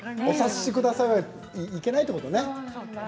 お察しくださいはいけないということね。